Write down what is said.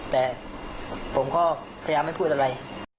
แต่ผมก็พยายามไม่พูดอะไร